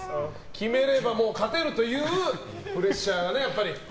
決めればもう勝てるというプレッシャーがね。